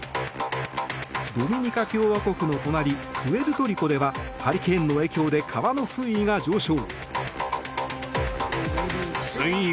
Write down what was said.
ドミニカ共和国の隣プエルトリコではハリケーンの影響で川の水位が上昇。